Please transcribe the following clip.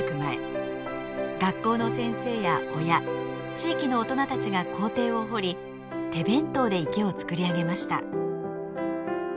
学校の先生や親地域の大人たちが校庭を掘り手弁当で池を造り上げました。